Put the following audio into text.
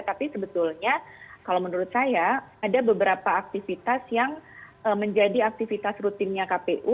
tapi sebetulnya kalau menurut saya ada beberapa aktivitas yang menjadi aktivitas rutinnya kpu